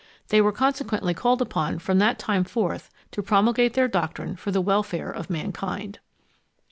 They were consequently called upon from that time forth to promulgate their doctrine for the welfare of mankind.